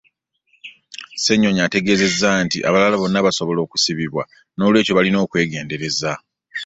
Ssennyonyi ategeezezza nti abalala bonna basobola okusibibwa n'olwekyo balina okwegendereza